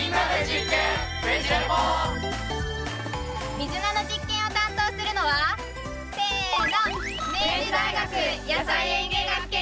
ミズナの実験を担当するのはせの！